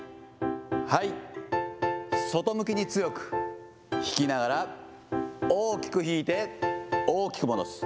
はい、外向きに強く引きながら、大きく引いて大きく戻す。